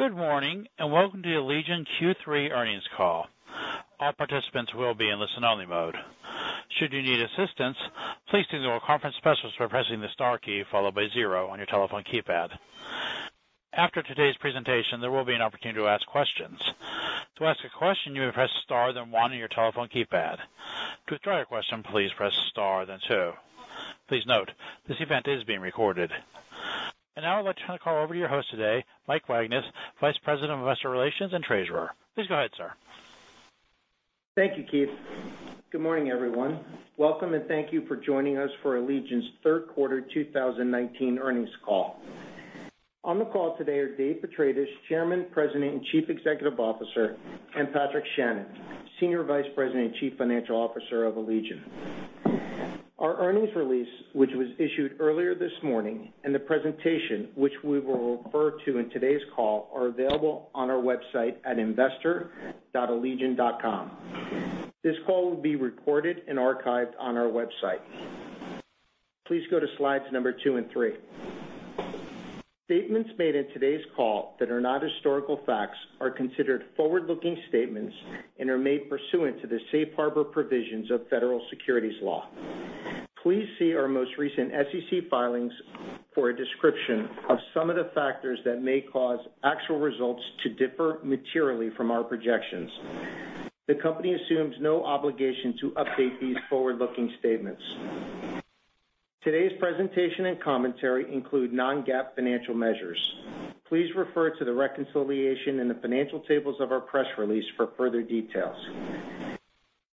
Good morning, welcome to the Allegion Q3 earnings call. All participants will be in listen only mode. Should you need assistance, please signal a conference specialist by pressing the star key followed by zero on your telephone keypad. After today's presentation, there will be an opportunity to ask questions. To ask a question, you may press star, then one on your telephone keypad. To withdraw your question, please press star, then two. Please note, this event is being recorded. Now I'd like to turn the call over to your host today, Mike Wagnes, Vice President of Investor Relations and Treasurer. Please go ahead, sir. Thank you, Keith. Good morning, everyone. Welcome, and thank you for joining us for Allegion's third quarter 2019 earnings call. On the call today are Dave Petratis, Chairman, President, and Chief Executive Officer, and Patrick Shannon, Senior Vice President and Chief Financial Officer of Allegion. Our earnings release, which was issued earlier this morning, and the presentation, which we will refer to in today's call, are available on our website at investor.allegion.com. This call will be recorded and archived on our website. Please go to slides number two and three. Statements made in today's call that are not historical facts are considered forward-looking statements and are made pursuant to the safe harbor provisions of Federal Securities Law. Please see our most recent SEC filings for a description of some of the factors that may cause actual results to differ materially from our projections. The company assumes no obligation to update these forward-looking statements. Today's presentation and commentary include non-GAAP financial measures. Please refer to the reconciliation in the financial tables of our press release for further details.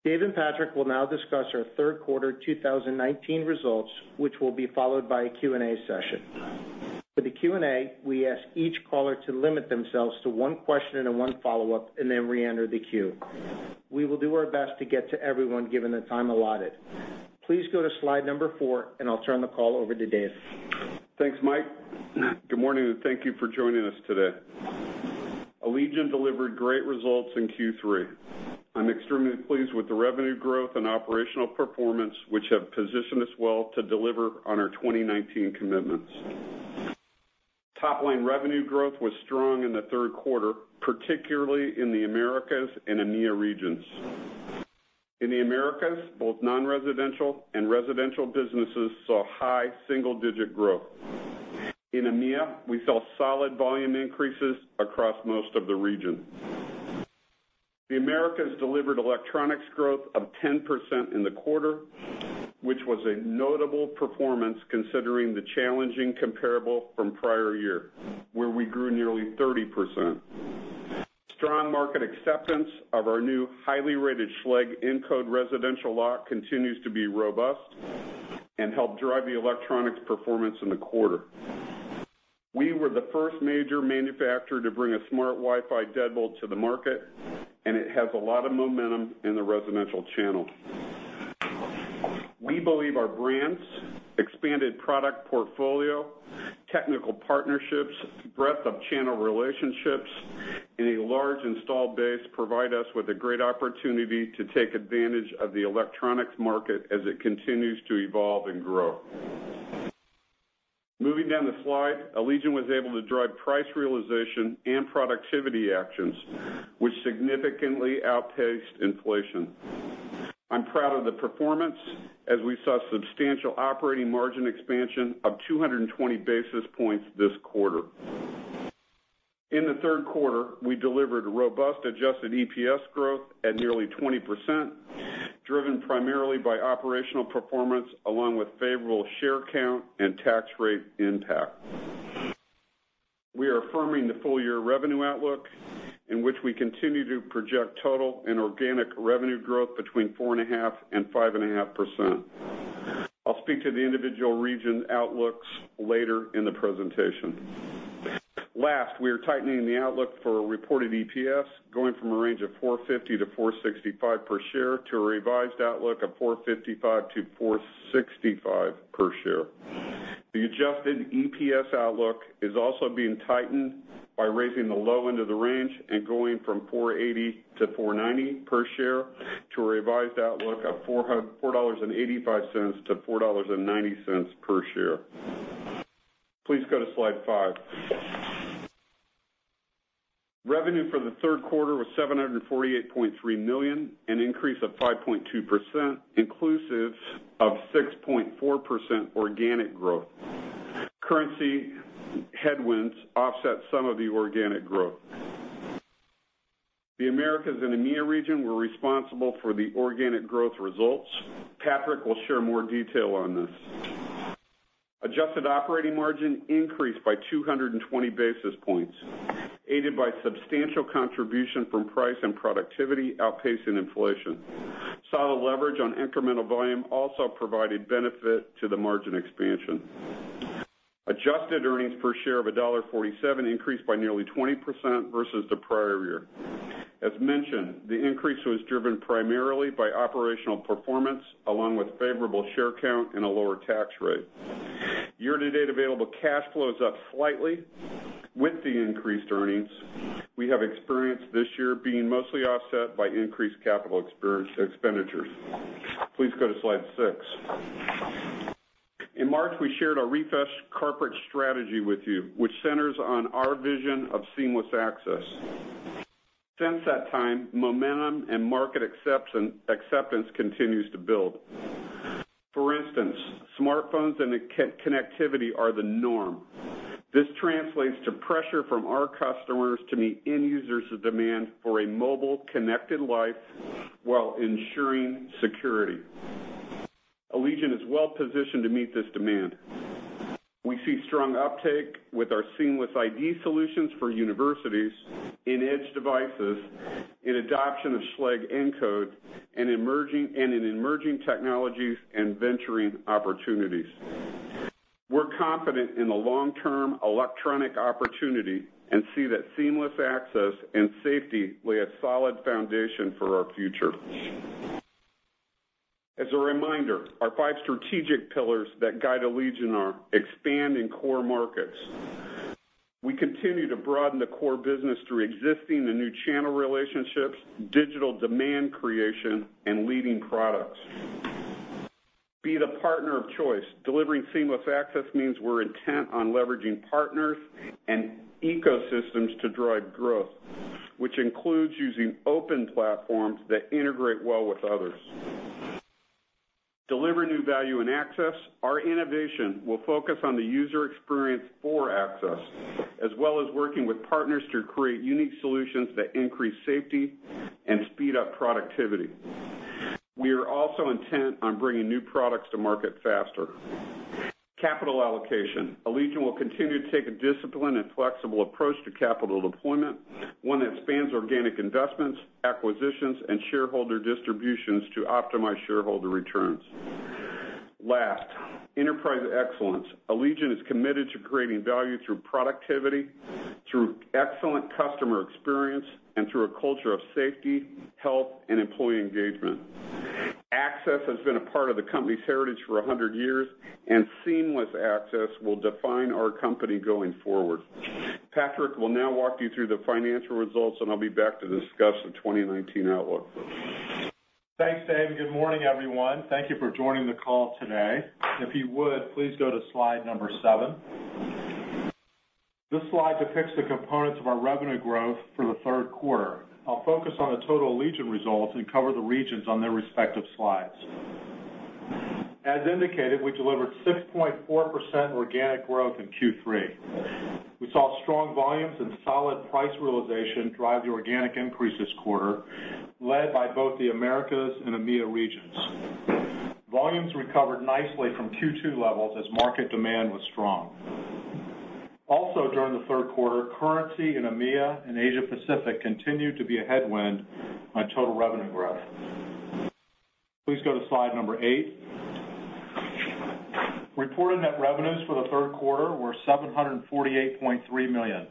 Dave and Patrick will now discuss our third quarter 2019 results, which will be followed by a Q&A session. For the Q&A, we ask each caller to limit themselves to one question and one follow-up, and then reenter the queue. We will do our best to get to everyone given the time allotted. Please go to slide number four, and I'll turn the call over to Dave. Thanks, Mike. Good morning, and thank you for joining us today. Allegion delivered great results in Q3. I'm extremely pleased with the revenue growth and operational performance, which have positioned us well to deliver on our 2019 commitments. Top-line revenue growth was strong in the third quarter, particularly in the Americas and EMEA regions. In the Americas, both non-residential and residential businesses saw high single-digit growth. In EMEIA, we saw solid volume increases across most of the region. The Americas delivered electronics growth of 10% in the quarter, which was a notable performance considering the challenging comparable from prior year, where we grew nearly 30%. Strong market acceptance of our new highly rated Schlage Encode residential lock continues to be robust and helped drive the electronics performance in the quarter. We were the first major manufacturer to bring a smart Wi-Fi deadbolt to the market, and it has a lot of momentum in the residential channel. We believe our brands, expanded product portfolio, technical partnerships, breadth of channel relationships, and a large installed base provide us with a great opportunity to take advantage of the electronics market as it continues to evolve and grow. Moving down the slide, Allegion was able to drive price realization and productivity actions, which significantly outpaced inflation. I'm proud of the performance as we saw substantial operating margin expansion of 220 basis points this quarter. In the third quarter, we delivered robust adjusted EPS growth at nearly 20%, driven primarily by operational performance along with favorable share count and tax rate impact. We are affirming the full year revenue outlook in which we continue to project total and organic revenue growth between 4.5% and 5.5%. I'll speak to the individual region outlooks later in the presentation. Last, we are tightening the outlook for reported EPS, going from a range of $4.50-$4.65 per share to a revised outlook of $4.55-$4.65 per share. The adjusted EPS outlook is also being tightened by raising the low end of the range and going from $4.80-$4.90 per share to a revised outlook of $4.85-$4.90 per share. Please go to slide five. Revenue for the third quarter was $748.3 million, an increase of 5.2%, inclusive of 6.4% organic growth. Currency headwinds offset some of the organic growth. The Americas and EMEIA region were responsible for the organic growth results. Patrick will share more detail on this. Adjusted operating margin increased by 220 basis points, aided by substantial contribution from price and productivity outpacing inflation. Solid leverage on incremental volume also provided benefit to the margin expansion. Adjusted EPS of $1.47 increased by nearly 20% versus the prior year. As mentioned, the increase was driven primarily by operational performance along with favorable share count and a lower tax rate. Year-to-date available cash flow is up slightly with the increased earnings we have experienced this year being mostly offset by increased CapEx. Please go to slide six. In March, we shared our refreshed corporate strategy with you, which centers on our vision of seamless access. Since that time, momentum and market acceptance continues to build. For instance, smartphones and connectivity are the norm. This translates to pressure from our customers to meet end users' demand for a mobile connected life while ensuring security. Allegion is well positioned to meet this demand. We see strong uptake with our seamless ID solutions for universities in Edge devices, in adoption of Schlage Encode, and in emerging technologies and venturing opportunities. We're confident in the long-term electronic opportunity and see that seamless access and safety lay a solid foundation for our future. As a reminder, our five strategic pillars that guide Allegion are expand in core markets. We continue to broaden the core business through existing and new channel relationships, digital demand creation, and leading products. Be the partner of choice. Delivering seamless access means we're intent on leveraging partners and ecosystems to drive growth, which includes using open platforms that integrate well with others. Deliver new value and access. Our innovation will focus on the user experience for access, as well as working with partners to create unique solutions that increase safety and speed up productivity. We are also intent on bringing new products to market faster. Capital allocation. Allegion will continue to take a disciplined and flexible approach to capital deployment, one that spans organic investments, acquisitions, and shareholder distributions to optimize shareholder returns. Last, enterprise excellence. Allegion is committed to creating value through productivity, through excellent customer experience, and through a culture of safety, health, and employee engagement. Access has been a part of the company's heritage for 100 years, and seamless access will define our company going forward. Patrick will now walk you through the financial results, and I'll be back to discuss the 2019 outlook for Allegion. Thanks, Dave. Good morning, everyone. Thank you for joining the call today. If you would, please go to slide number seven. This slide depicts the components of our revenue growth for the third quarter. I'll focus on the total Allegion results and cover the regions on their respective slides. As indicated, we delivered 6.4% organic growth in Q3. We saw strong volumes and solid price realization drive the organic increase this quarter, led by both the Americas and EMEIA regions. Volumes recovered nicely from Q2 levels as market demand was strong. During the third quarter, currency in EMEIA and Asia Pacific continued to be a headwind on total revenue growth. Please go to slide number eight. Reported net revenues for the third quarter were $748.3 million.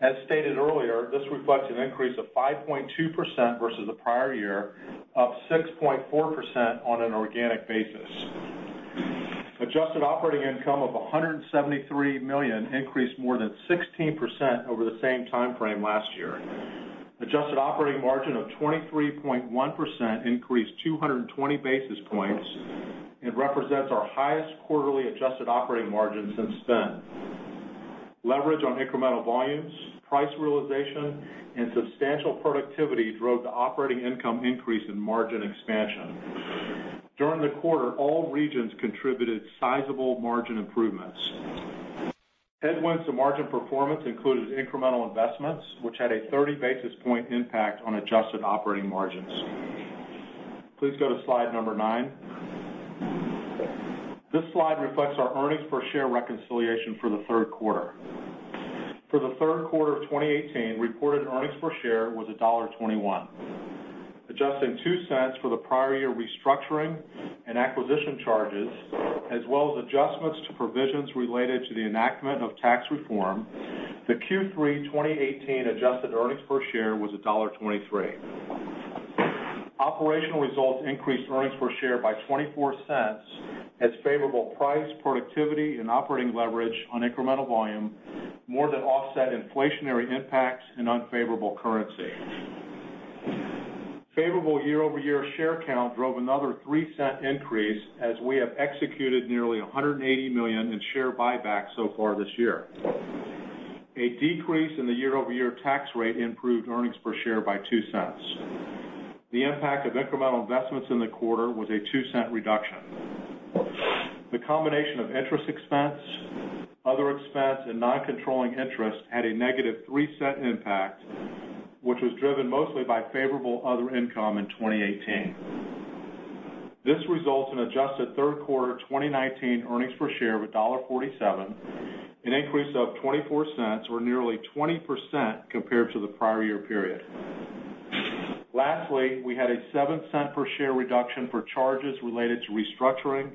As stated earlier, this reflects an increase of 5.2% versus the prior year, up 6.4% on an organic basis. Adjusted operating income of $173 million increased more than 16% over the same timeframe last year. Adjusted operating margin of 23.1% increased 220 basis points and represents our highest quarterly adjusted operating margin since then. Leverage on incremental volumes, price realization, and substantial productivity drove the operating income increase and margin expansion. During the quarter, all regions contributed sizable margin improvements. Headwinds to margin performance included incremental investments, which had a 30 basis point impact on adjusted operating margins. Please go to slide number nine. This slide reflects our earnings per share reconciliation for the third quarter. For the third quarter of 2018, reported earnings per share was $1.21. Adjusting $0.02 for the prior year restructuring and acquisition charges, as well as adjustments to provisions related to the enactment of tax reform, the Q3 2018 adjusted earnings per share was $1.23. Operational results increased earnings per share by $0.24 as favorable price, productivity, and operating leverage on incremental volume more than offset inflationary impacts and unfavorable currency. Favorable year-over-year share count drove another $0.03 increase as we have executed nearly $180 million in share buybacks so far this year. A decrease in the year-over-year tax rate improved earnings per share by $0.02. The impact of incremental investments in the quarter was a $0.02 reduction. The combination of interest expense, other expense, and non-controlling interest had a negative $0.03 impact, which was driven mostly by favorable other income in 2018. This results in adjusted third quarter 2019 earnings per share of $1.47, an increase of $0.24 or nearly 20% compared to the prior year period. Lastly, we had a $0.07 per share reduction for charges related to restructuring,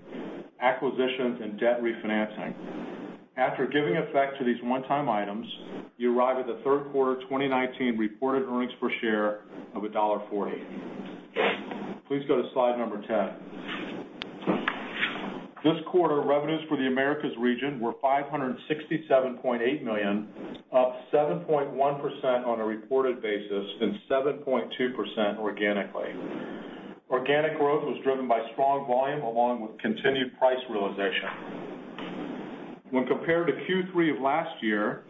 acquisitions, and debt refinancing. After giving effect to these one-time items, you arrive at the third quarter 2019 reported earnings per share of $1.40. Please go to slide number 10. This quarter, revenues for the Americas region were $567.8 million, up 7.1% on a reported basis and 7.2% organically. Organic growth was driven by strong volume along with continued price realization. When compared to Q3 of last year,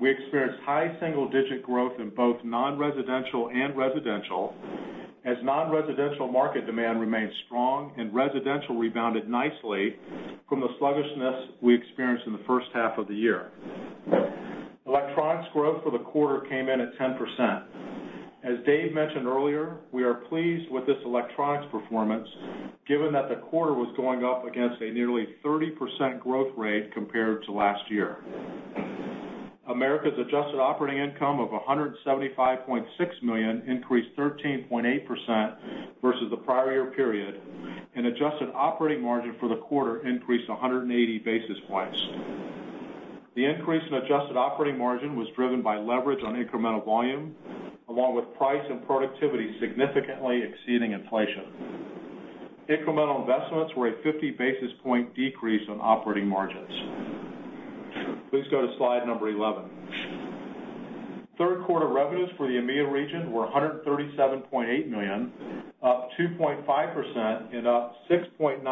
we experienced high single-digit growth in both non-residential and residential, as non-residential market demand remained strong and residential rebounded nicely from the sluggishness we experienced in the first half of the year. Electronics growth for the quarter came in at 10%. As Dave mentioned earlier, we are pleased with this electronics performance given that the quarter was going up against a nearly 30% growth rate compared to last year. Americas adjusted operating income of $175.6 million increased 13.8% versus the prior year period, and adjusted operating margin for the quarter increased 180 basis points. The increase in adjusted operating margin was driven by leverage on incremental volume, along with price and productivity significantly exceeding inflation. Incremental investments were a 50 basis point decrease on operating margins. Please go to slide number 11. Third quarter revenues for the EMEIA region were $137.8 million, up 2.5% and up 6.9%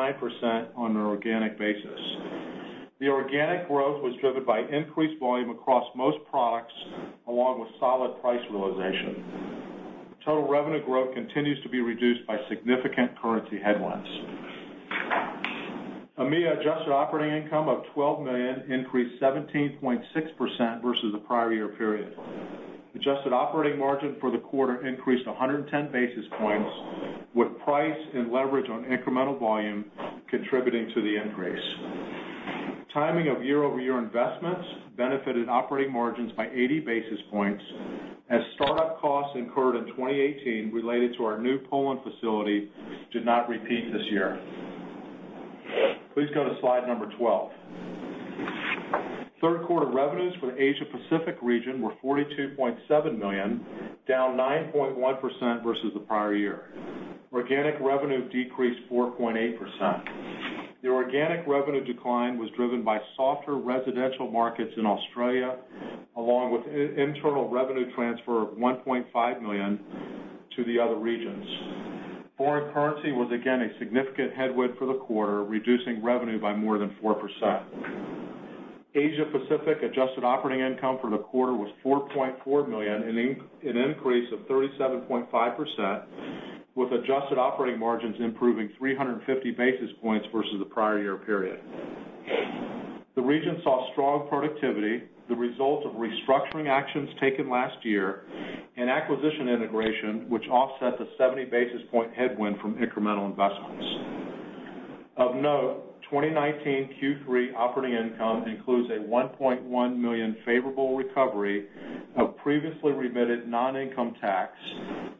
on an organic basis. The organic growth was driven by increased volume across most products, along with solid price realization. Total revenue growth continues to be reduced by significant currency headwinds. EMEIA adjusted operating income of $12 million increased 17.6% versus the prior year period. Adjusted operating margin for the quarter increased 110 basis points, with price and leverage on incremental volume contributing to the increase. Timing of year-over-year investments benefited operating margins by 80 basis points, as startup costs incurred in 2018 related to our new Poland facility did not repeat this year. Please go to slide number 12. Third quarter revenues for the Asia-Pacific region were $42.7 million, down 9.1% versus the prior year. Organic revenue decreased 4.8%. The organic revenue decline was driven by softer residential markets in Australia, along with internal revenue transfer of $1.5 million to the other regions. Foreign currency was again a significant headwind for the quarter, reducing revenue by more than 4%. Asia-Pacific adjusted operating income for the quarter was $4.4 million, an increase of 37.5%, with adjusted operating margins improving 350 basis points versus the prior year period. The region saw strong productivity, the result of restructuring actions taken last year, and acquisition integration, which offset the 70 basis point headwind from incremental investments. Of note, 2019 Q3 operating income includes a $1.1 million favorable recovery of previously remitted non-income tax,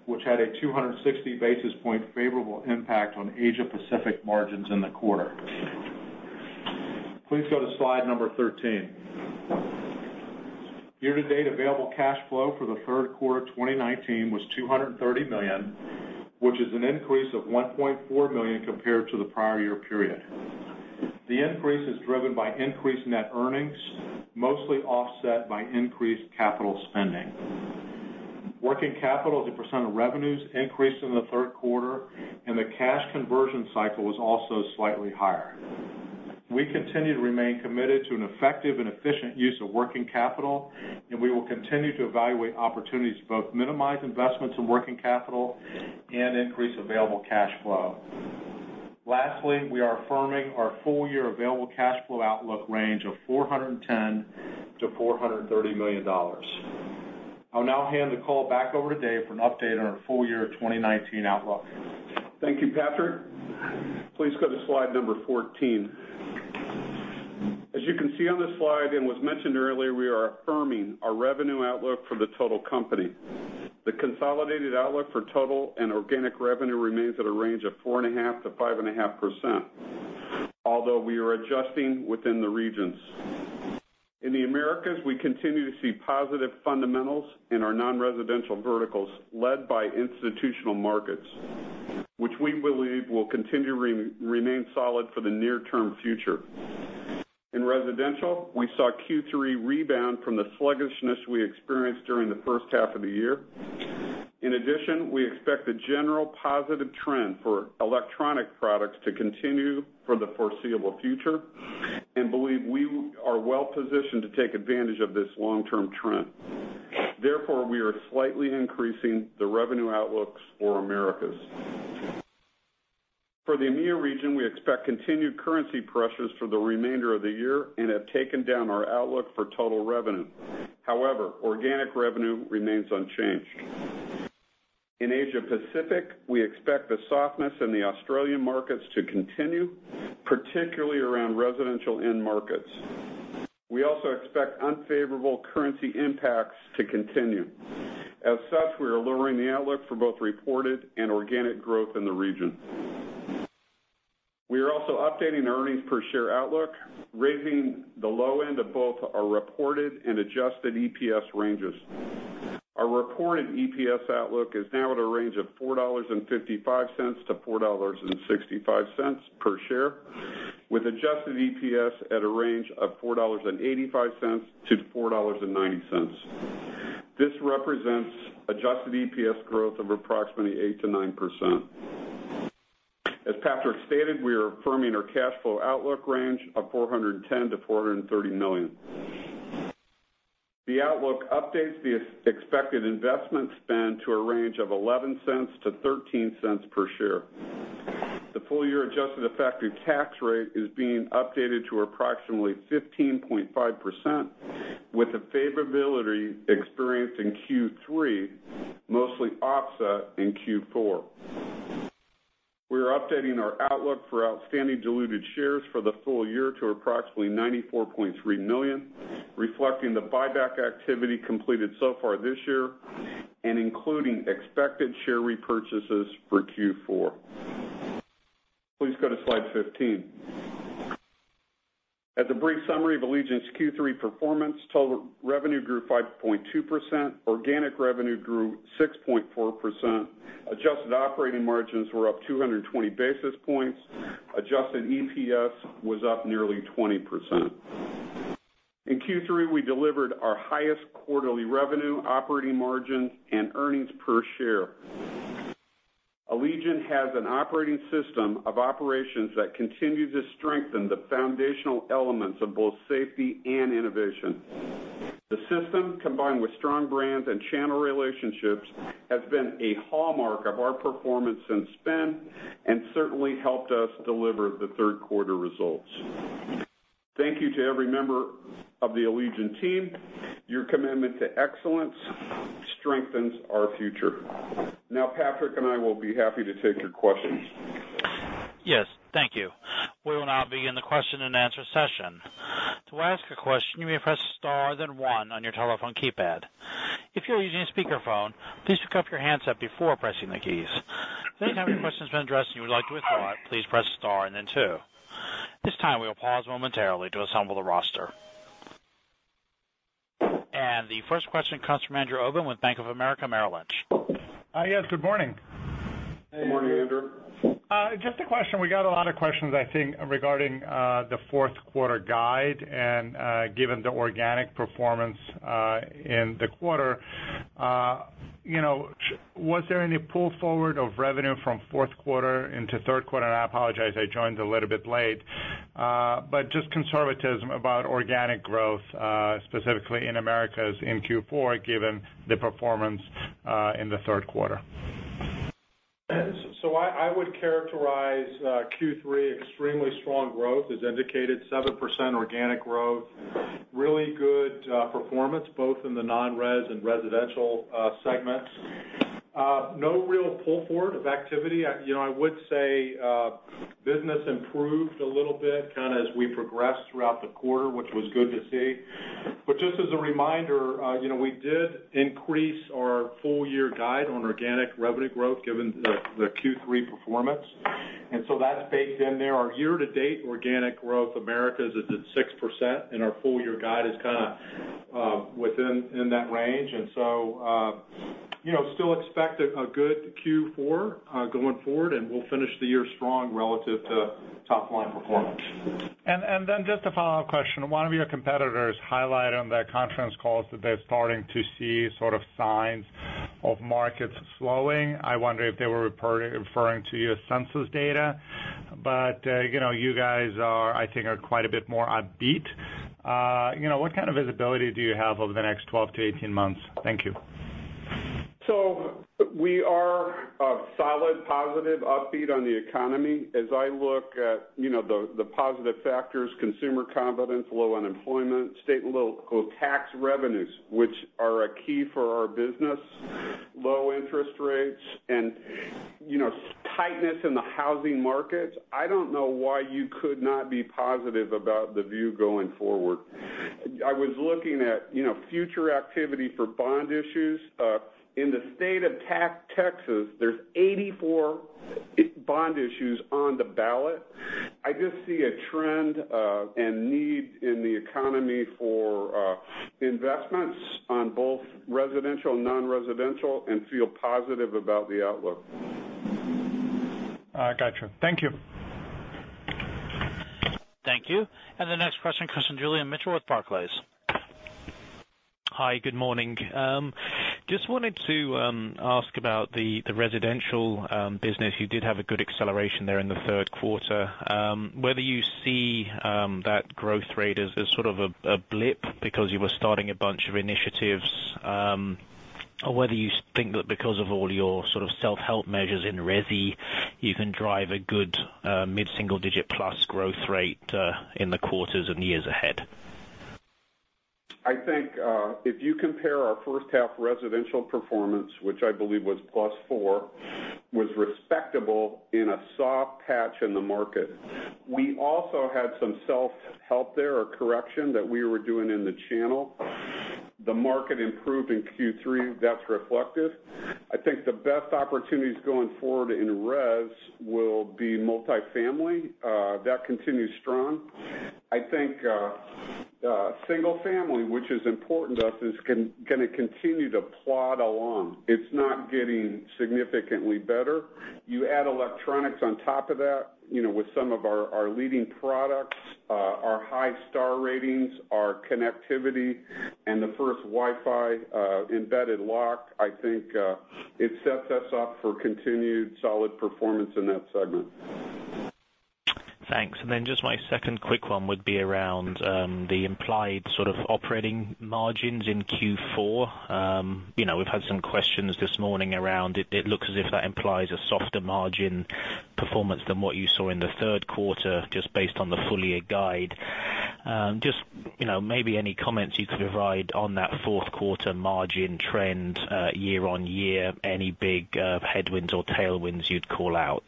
which had a 260 basis points favorable impact on Asia-Pacific margins in the quarter. Please go to slide number 13. Year-to-date available cash flow for the third quarter of 2019 was $230 million, which is an increase of $1.4 million compared to the prior year period. The increase is driven by increased net earnings, mostly offset by increased capital spending. Working capital as a % of revenues increased in the third quarter, and the cash conversion cycle was also slightly higher. We continue to remain committed to an effective and efficient use of working capital, and we will continue to evaluate opportunities to both minimize investments in working capital and increase available cash flow. Lastly, we are affirming our full-year available cash flow outlook range of $410 million-$430 million. I'll now hand the call back over to Dave for an update on our full-year 2019 outlook. Thank you, Patrick. Please go to slide number 14. As you can see on this slide and was mentioned earlier, we are affirming our revenue outlook for the total company. The consolidated outlook for total and organic revenue remains at a range of 4.5%-5.5%, although we are adjusting within the regions. In the Americas, we continue to see positive fundamentals in our non-residential verticals led by institutional markets, which we believe will continue to remain solid for the near-term future. In residential, we saw Q3 rebound from the sluggishness we experienced during the first half of the year. In addition, we expect the general positive trend for electronic products to continue for the foreseeable future and believe we are well-positioned to take advantage of this long-term trend. Therefore, we are slightly increasing the revenue outlooks for Americas. For the EMEIA region, we expect continued currency pressures for the remainder of the year and have taken down our outlook for total revenue. However, organic revenue remains unchanged. In Asia-Pacific, we expect the softness in the Australian markets to continue, particularly around residential end markets. We also expect unfavorable currency impacts to continue. As such, we are lowering the outlook for both reported and organic growth in the region. We are also updating the earnings per share outlook, raising the low end of both our reported and adjusted EPS ranges. Our reported EPS outlook is now at a range of $4.55-$4.65 per share, with adjusted EPS at a range of $4.85-$4.90. This represents adjusted EPS growth of approximately 8%-9%. As Patrick stated, we are affirming our cash flow outlook range of $410 million-$430 million. The outlook updates the expected investment spend to a range of $0.11-$0.13 per share. The full year adjusted effective tax rate is being updated to approximately 15.5%, with the favorability experienced in Q3, mostly offset in Q4. We are updating our outlook for outstanding diluted shares for the full year to approximately 94.3 million, reflecting the buyback activity completed so far this year and including expected share repurchases for Q4. Please go to slide 15. As a brief summary of Allegion's Q3 performance, total revenue grew 5.2%, organic revenue grew 6.4%, adjusted operating margins were up 220 basis points. Adjusted EPS was up nearly 20%. In Q3, we delivered our highest quarterly revenue, operating margin, and earnings per share. Allegion has an operating system of operations that continue to strengthen the foundational elements of both safety and innovation. The system, combined with strong brands and channel relationships, has been a hallmark of our performance since then, and certainly helped us deliver the third quarter results. Thank you to every member of the Allegion team. Your commitment to excellence strengthens our future. Now, Patrick and I will be happy to take your questions. Yes, thank you. We will now begin the question and answer session. To ask a question, you may press star then one on your telephone keypad. If you're using a speakerphone, please pick up your handset before pressing the keys. If any of your questions have been addressed and you would like to withdraw it, please press star and then two. At this time, we will pause momentarily to assemble the roster. The first question comes from Andrew Obin with Bank of America Merrill Lynch. Yes, good morning. Good morning, Andrew. Just a question. We got a lot of questions, I think, regarding the fourth quarter guide and given the organic performance in the quarter. Was there any pull forward of revenue from fourth quarter into third quarter? I apologize, I joined a little bit late. Just conservatism about organic growth, specifically in Americas in Q4, given the performance in the third quarter. I would characterize Q3 extremely strong growth. As indicated, 7% organic growth, really good performance both in the non-res and residential segments. No real pull forward of activity. I would say business improved a little bit as we progressed throughout the quarter, which was good to see. But just as a reminder, we did increase our full year guide on organic revenue growth given the Q3 performance. That's baked in there. Our year-to-date organic growth Americas is at 6%, and our full year guide is kind of within that range. Still expect a good Q4 going forward, and we'll finish the year strong relative to top line performance. Just a follow-up question. One of your competitors highlighted on their conference call that they're starting to see sort of signs of markets slowing. I wonder if they were referring to your census data. You guys are, I think, are quite a bit more upbeat. What kind of visibility do you have over the next 12 to 18 months? Thank you. We are a solid positive upbeat on the economy. As I look at the positive factors, consumer confidence, low unemployment, state and local tax revenues, which are a key for our business, low interest rates, and tightness in the housing markets. I don't know why you could not be positive about the view going forward. I was looking at future activity for bond issues. In the state of Texas, there's 84 bond issues on the ballot. I just see a trend, and need in the economy for investments on both residential and non-residential and feel positive about the outlook. Got you. Thank you. Thank you. The next question comes from Julian Mitchell with Barclays. Hi, good morning. Just wanted to ask about the residential business. You did have a good acceleration there in the third quarter. Whether you see that growth rate as sort of a blip because you were starting a bunch of initiatives, or whether you think that because of all your sort of self-help measures in resi, you can drive a good mid-single digit plus growth rate in the quarters and years ahead. I think if you compare our first half residential performance, which I believe was plus four, was respectable in a soft patch in the market. We also had some self-help there or correction that we were doing in the channel. The market improved in Q3. That's reflective. I think the best opportunities going forward in res will be multifamily. That continues strong. I think single family, which is important to us, is going to continue to plod along. It's not getting significantly better. You add electronics on top of that with some of our leading products, our high star ratings, our connectivity, and the first Wi-Fi embedded lock. I think it sets us up for continued solid performance in that segment. Thanks. Just my second quick one would be around the implied sort of operating margins in Q4. We've had some questions this morning around it. It looks as if that implies a softer margin performance than what you saw in the third quarter, just based on the full year guide. Just maybe any comments you could provide on that fourth quarter margin trend year-on-year, any big headwinds or tailwinds you'd call out?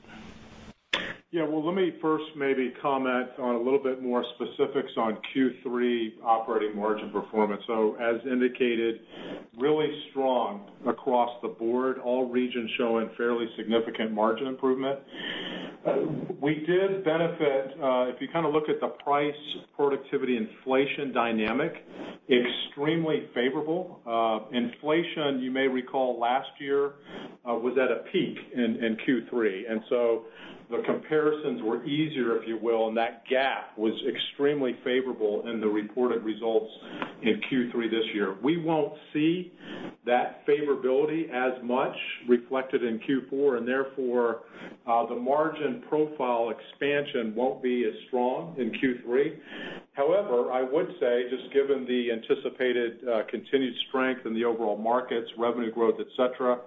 Let me first maybe comment on a little bit more specifics on Q3 operating margin performance. As indicated, really strong across the board, all regions showing fairly significant margin improvement. We did benefit, if you look at the price productivity inflation dynamic, extremely favorable. Inflation, you may recall last year, was at a peak in Q3, and so the comparisons were easier, if you will, and that gap was extremely favorable in the reported results in Q3 this year. We won't see that favorability as much reflected in Q4, and therefore, the margin profile expansion won't be as strong in Q3. I would say, just given the anticipated continued strength in the overall markets, revenue growth, et cetera,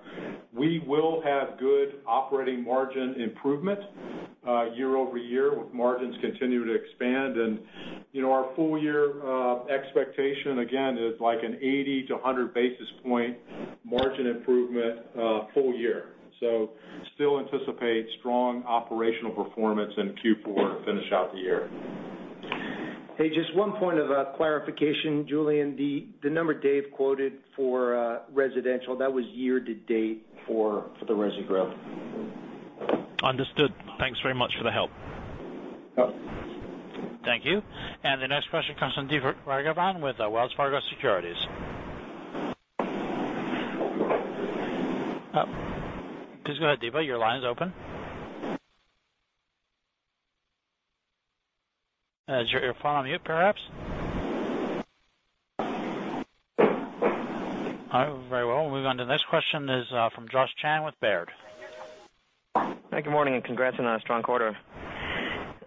we will have good operating margin improvement year-over-year with margins continuing to expand. Our full year expectation, again, is like an 80 to 100 basis point margin improvement full year. Still anticipate strong operational performance in Q4 to finish out the year. Hey, just one point of clarification, Julian. The number Dave quoted for residential, that was year to date for the resi group. Understood. Thanks very much for the help. Yep. Thank you. The next question comes from Deepa Raghavan with Wells Fargo Securities. Please go ahead, Deepa, your line is open. Is your phone on mute, perhaps? All right, very well. We'll move on to the next question is from Josh Chan with Baird. Hey, good morning, and congrats on a strong quarter.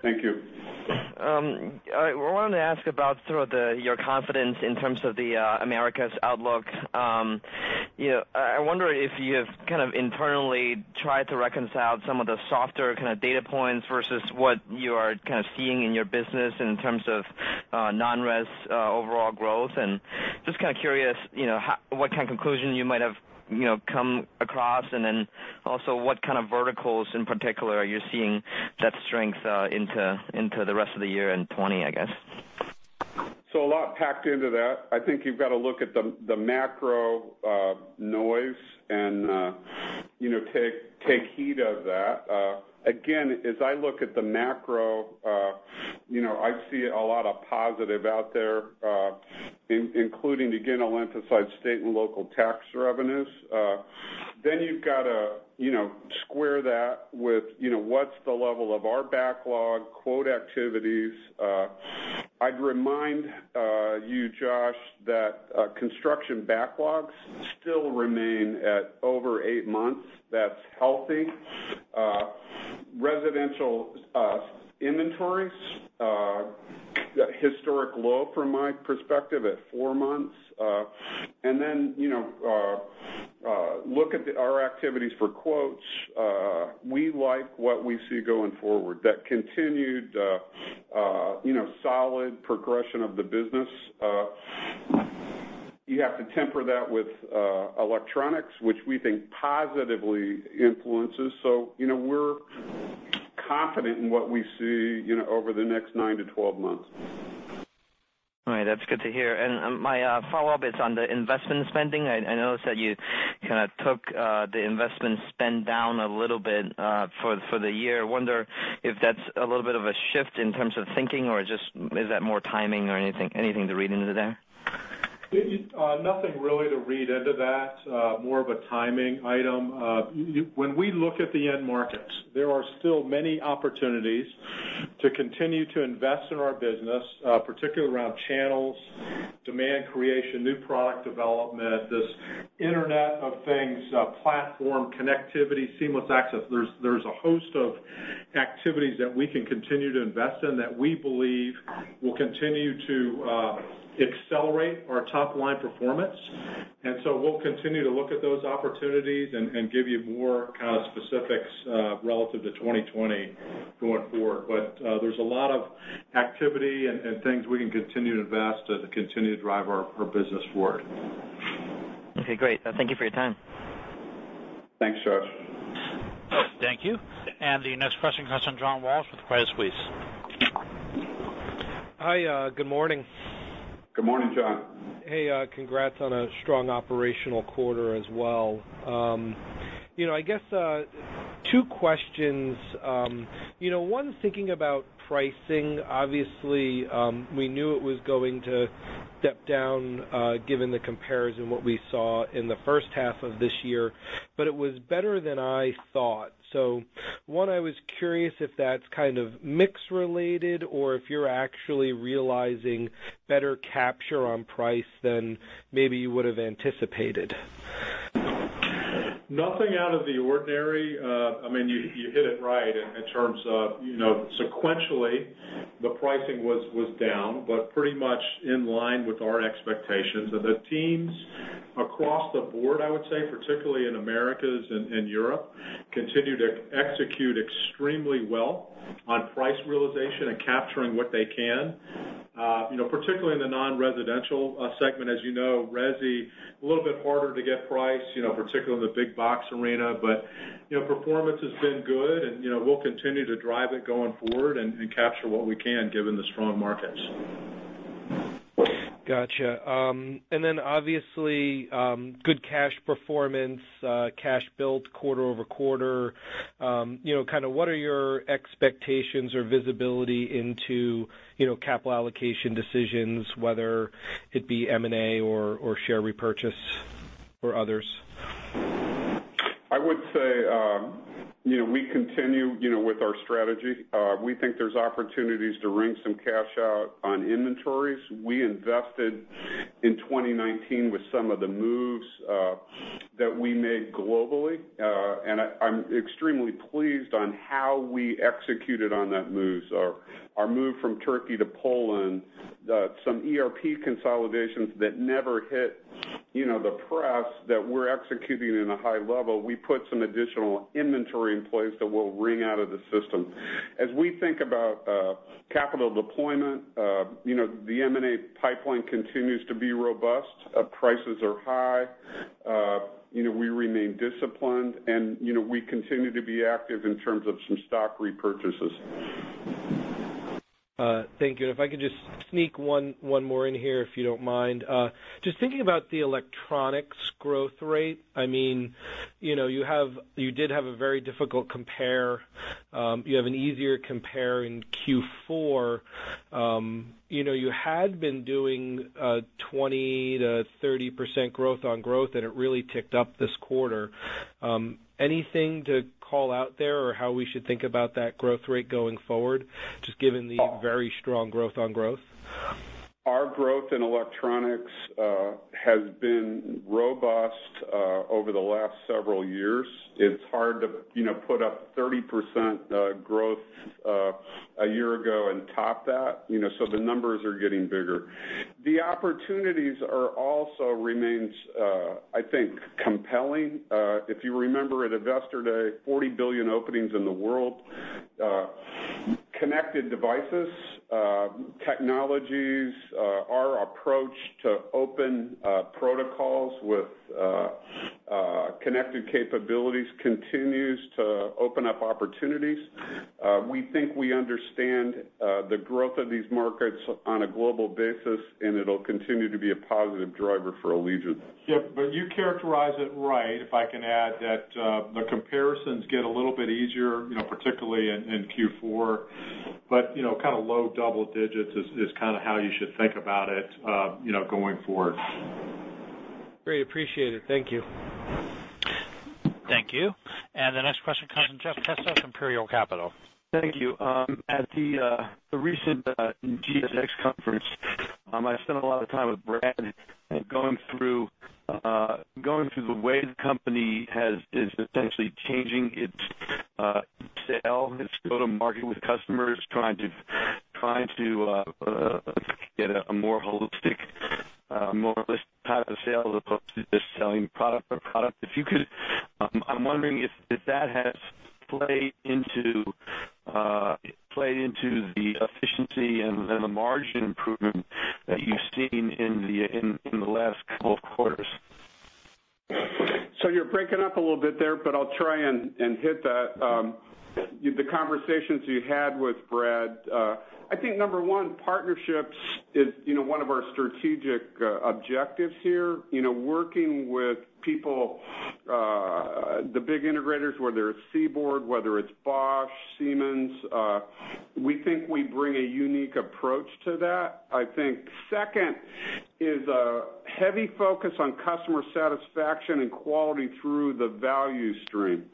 Thank you. All right. We wanted to ask about sort of your confidence in terms of the America's outlook. I wonder if you have kind of internally tried to reconcile some of the softer kind of data points versus what you are kind of seeing in your business in terms of non-res overall growth, just kind of curious what kind of conclusion you might have come across, then also what kind of verticals in particular are you seeing that strength into the rest of the year and 2020, I guess? A lot packed into that. I think you've got to look at the macro noise and take heed of that. Again, as I look at the macro, I see a lot of positive out there, including, again, I'll emphasize state and local tax revenues. You've got to square that with what's the level of our backlog, quote activities. I'd remind you, Josh, that construction backlogs still remain at over 8 months. That's healthy. Residential inventories, historic low from my perspective at 4 months. Look at our activities for quotes. We like what we see going forward, that continued solid progression of the business. You have to temper that with electronics, which we think positively influences. We're confident in what we see over the next 9-12 months. All right. That's good to hear. My follow-up is on the investment spending. I noticed that you kind of took the investment spend down a little bit for the year. I wonder if that's a little bit of a shift in terms of thinking, or just is that more timing or anything to read into there? Nothing really to read into that. More of a timing item. When we look at the end markets, there are still many opportunities to continue to invest in our business, particularly around channels, demand creation, new product development, this Internet of Things, platform connectivity, seamless access. There's a host of activities that we can continue to invest in that we believe will continue to accelerate our top-line performance. We'll continue to look at those opportunities and give you more kind of specifics relative to 2020 going forward. There's a lot of activity and things we can continue to invest to continue to drive our business forward. Okay, great. Thank you for your time. Thanks, Josh. Thank you. The next question comes from John Walsh with Credit Suisse. Hi, good morning. Good morning, John. Hey, congrats on a strong operational quarter as well. I guess two questions. One's thinking about pricing. Obviously, we knew it was going to step down, given the comparison what we saw in the first half of this year, but it was better than I thought. One, I was curious if that's kind of mix related or if you're actually realizing better capture on price than maybe you would have anticipated. Nothing out of the ordinary. You hit it right in terms of sequentially, the pricing was down, but pretty much in line with our expectations. The teams across the board, I would say, particularly in Americas and Europe, continue to execute extremely well on price realization and capturing what they can. Particularly in the non-residential segment, as you know, resi, a little bit harder to get price, particularly in the big box arena. Performance has been good, and we'll continue to drive it going forward and capture what we can, given the strong markets. Got you. Obviously, good cash performance, cash build quarter-over-quarter. What are your expectations or visibility into capital allocation decisions, whether it be M&A or share repurchase or others? I would say we continue with our strategy. We think there's opportunities to wring some cash out on inventories. We invested in 2019 with some of the moves that we made globally. I'm extremely pleased on how we executed on that moves. Our move from Turkey to Poland, some ERP consolidations that never hit the press that we're executing in a high level. We put some additional inventory in place that we'll wring out of the system. As we think about capital deployment, the M&A pipeline continues to be robust. Prices are high. We remain disciplined, and we continue to be active in terms of some stock repurchases. Thank you. If I could just sneak one more in here, if you don't mind. Just thinking about the electronics growth rate, you did have a very difficult compare. You have an easier compare in Q4. You had been doing a 20%-30% growth on growth, and it really ticked up this quarter. Anything to call out there or how we should think about that growth rate going forward, just given the very strong growth on growth? Our growth in electronics has been robust over the last several years. It's hard to put up 30% growth a year ago and top that. The numbers are getting bigger. The opportunities also remain, I think, compelling. If you remember at Investor Day, 40 billion openings in the world. Connected devices, technologies, our approach to open protocols with connected capabilities continues to open up opportunities. We think we understand the growth of these markets on a global basis, and it'll continue to be a positive driver for Allegion. Yep. You characterize it right. If I can add that the comparisons get a little bit easier, particularly in Q4. Low double digits is kind of how you should think about it going forward. Great. Appreciate it. Thank you. Thank you. The next question comes from Jeff Kessler, Imperial Capital. Thank you. At the recent GSX conference, I spent a lot of time with Brad going through the way the company is essentially changing its sale, its go-to-market with customers, trying to get a more holistic type of sale as opposed to just selling product or product. I'm wondering if that has played into the efficiency and the margin improvement that you've seen in the last couple of quarters. You're breaking up a little bit there, but I'll try and hit that. The conversations you had with Brad, I think number one, partnerships is one of our strategic objectives here. Working with people, the big integrators, whether it's Seaboard, whether it's Bosch, Siemens, we think we bring a unique approach to that. I think second is a heavy focus on customer satisfaction and quality through the value stream.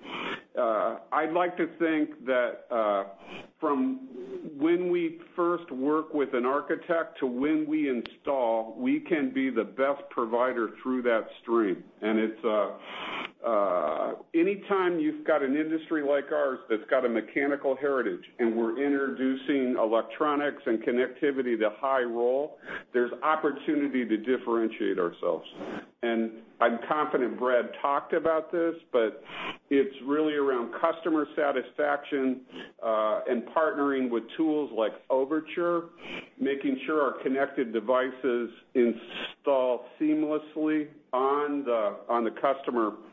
I'd like to think that from when we first work with an architect to when we install, we can be the best provider through that stream. Anytime you've got an industry like ours that's got a mechanical heritage, and we're introducing electronics and connectivity to high-rise, there's opportunity to differentiate ourselves. I'm confident Brad talked about this, but it's really around customer satisfaction and partnering with tools like Overtur, making sure our connected devices install seamlessly on the customer campus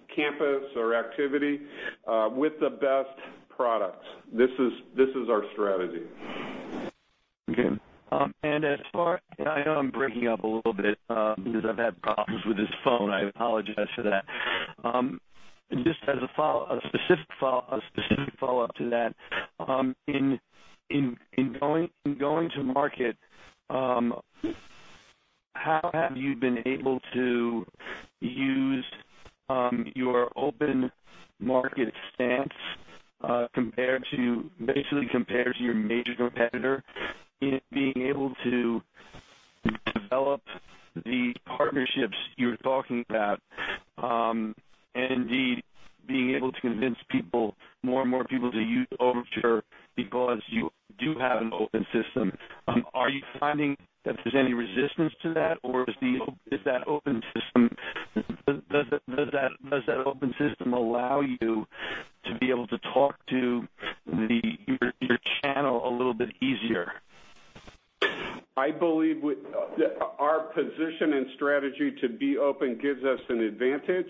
or activity with the best products. This is our strategy. Okay. I know I'm breaking up a little bit because I've had problems with this phone. I apologize for that. Just as a specific follow-up to that, in going to market, how have you been able to use your open market stance basically compared to your major competitor in being able to develop the partnerships you're talking about, and indeed being able to convince more and more people to use Overtur because you do have an open system. Are you finding that there's any resistance to that? Does that open system allow you to be able to talk to your channel a little bit easier? I believe our position and strategy to be open gives us an advantage.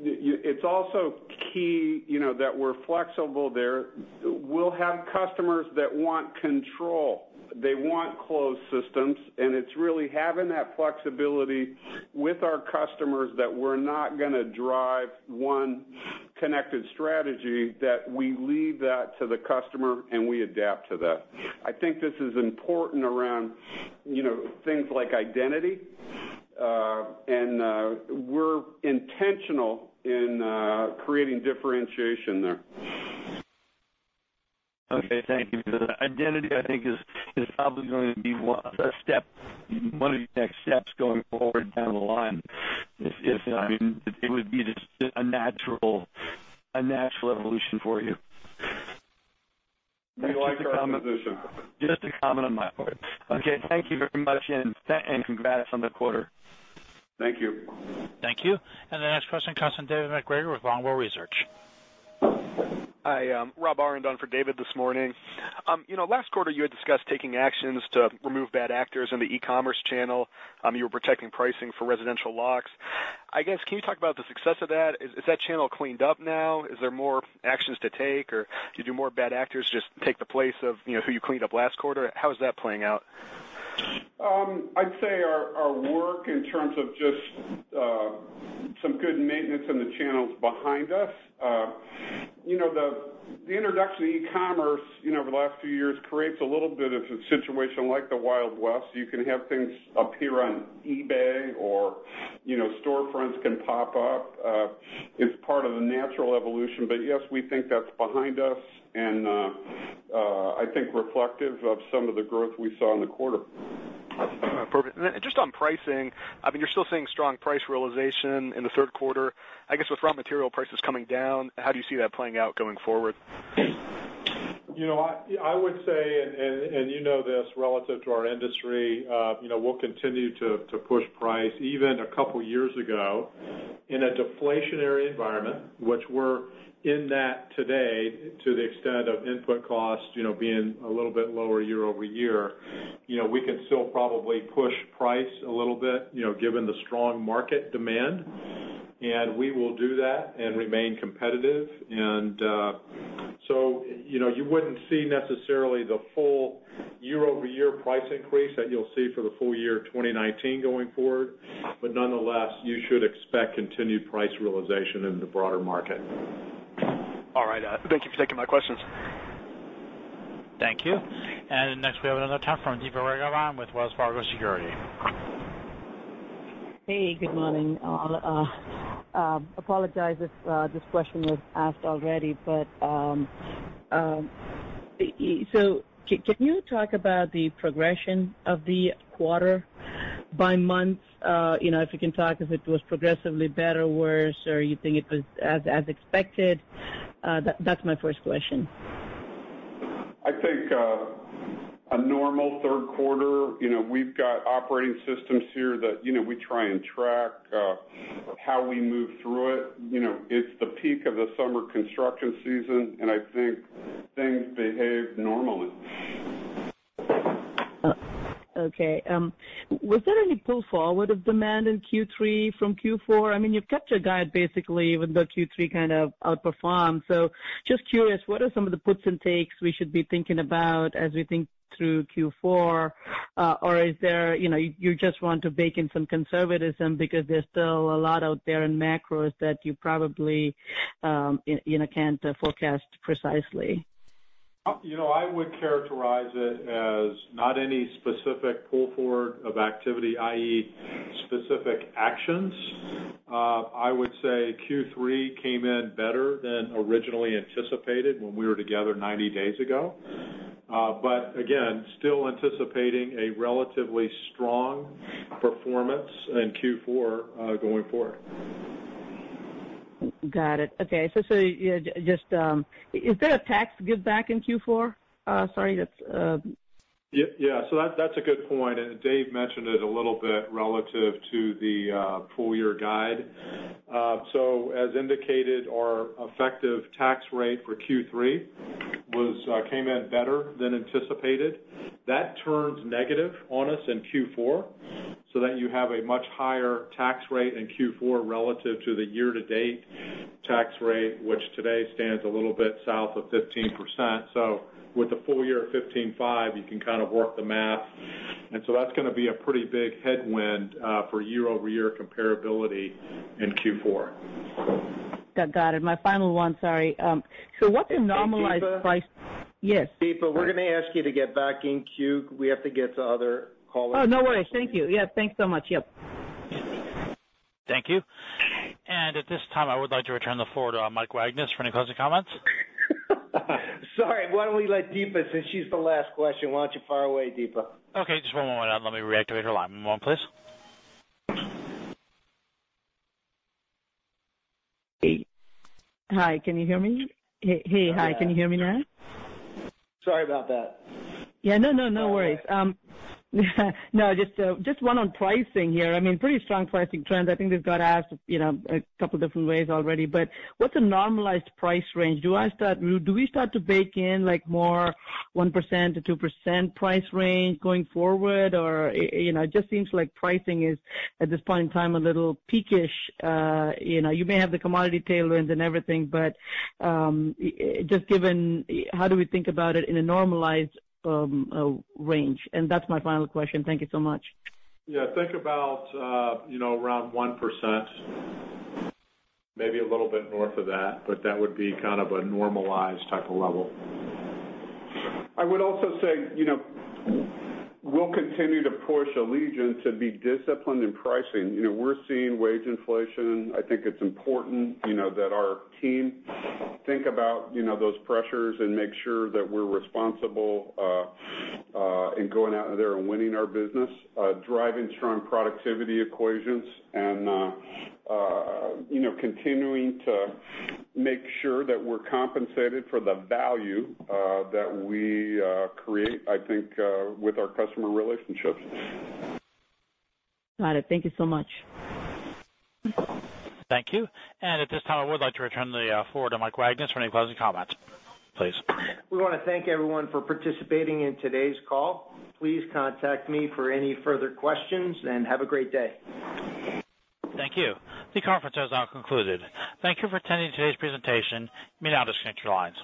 It's also key that we're flexible there. We'll have customers that want control. They want closed systems, it's really having that flexibility with our customers that we're not going to drive one connected strategy, that we leave that to the customer, and we adapt to that. I think this is important around things like identity. We're intentional in creating differentiation there. Okay, thank you for that. Identity, I think, is probably going to be one of the next steps going forward down the line. It would be just a natural evolution for you. We like our position. Just a comment on my part. Okay, thank you very much, and congrats on the quarter. Thank you. Thank you. The next question comes from David MacGregor with Longbow Research. Hi, Robert Aurand on for David this morning. Last quarter, you had discussed taking actions to remove bad actors in the e-commerce channel. You were protecting pricing for residential locks. I guess, can you talk about the success of that? Is that channel cleaned up now? Is there more actions to take, or did more bad actors just take the place of who you cleaned up last quarter? How is that playing out? I'd say our work in terms of just some good maintenance in the channels behind us. The introduction of e-commerce over the last few years creates a little bit of a situation like the Wild West. You can have things appear on eBay or storefronts can pop up. It's part of the natural evolution. Yes, we think that's behind us and I think reflective of some of the growth we saw in the quarter. Perfect. Just on pricing, you're still seeing strong price realization in the third quarter. I guess with raw material prices coming down, how do you see that playing out going forward? I would say, and you know this relative to our industry, we'll continue to push price. Even a couple of years ago, in a deflationary environment, which we're in that today to the extent of input costs being a little bit lower year-over-year, we can still probably push price a little bit, given the strong market demand. We will do that and remain competitive. You wouldn't see necessarily the full year-over-year price increase that you'll see for the full year 2019 going forward. Nonetheless, you should expect continued price realization in the broader market. All right. Thank you for taking my questions. Thank you. Next, we have another call from Deepa Raghavan with Wells Fargo Securities. Hey, good morning. I apologize if this question was asked already, can you talk about the progression of the quarter by months? If you can talk if it was progressively better, worse, or you think it was as expected? That's my first question. I think a normal third quarter. We've got operating systems here that we try and track how we move through it. It's the peak of the summer construction season, and I think things behaved normally. Okay. Was there any pull-forward of demand in Q3 from Q4? You've kept your guide basically, even though Q3 kind of outperformed. Just curious, what are some of the puts and takes we should be thinking about as we think through Q4? You just want to bake in some conservatism because there's still a lot out there in macros that you probably can't forecast precisely? I would characterize it as not any specific pull-forward of activity, i.e., specific actions. I would say Q3 came in better than originally anticipated when we were together 90 days ago. Again, still anticipating a relatively strong performance in Q4 going forward. Got it. Okay. Is there a tax giveback in Q4? Yeah. That's a good point, and Dave mentioned it a little bit relative to the full-year guide. As indicated, our effective tax rate for Q3 came in better than anticipated. That turns negative on us in Q4, so that you have a much higher tax rate in Q4 relative to the year-to-date tax rate, which today stands a little bit south of 15%. With the full year of 15.5%, you can kind of work the math. That's going to be a pretty big headwind for year-over-year comparability in Q4. Got it. My final one, sorry. What's the normalized price- Hey, Deepa? Yes. Deepa, we're going to ask you to get back in queue. We have to get to other callers. Oh, no worries. Thank you. Yeah, thanks so much. Yep. Thank you. At this time, I would like to turn the floor to Mike Wagnes for any closing comments. Sorry. Why don't we let Deepa since she's the last question, why don't you fire away, Deepa? Okay, just one moment. Let me reactivate her line. One moment please. Hey. Hi, can you hear me? Hey. Hi, can you hear me now? Sorry about that. Yeah. No worries. Just one on pricing here. Pretty strong pricing trends. I think they've got asked a couple different ways already, but what's a normalized price range? Do we start to bake in more 1%-2% price range going forward or it just seems like pricing is, at this point in time, a little peak-ish? You may have the commodity tailwinds and everything, but just given how do we think about it in a normalized range? That's my final question. Thank you so much. Think about around 1%, maybe a little bit north of that, but that would be kind of a normalized type of level. I would also say, we'll continue to push Allegion to be disciplined in pricing. We're seeing wage inflation. I think it's important that our team think about those pressures and make sure that we're responsible in going out there and winning our business, driving strong productivity equations and continuing to make sure that we're compensated for the value that we create, I think with our customer relationships. Got it. Thank you so much. Thank you. At this time, I would like to return the floor to Mike Wagnes for any closing comments, please. We want to thank everyone for participating in today's call. Please contact me for any further questions. Have a great day. Thank you. The conference has now concluded. Thank you for attending today's presentation. You may now disconnect your lines.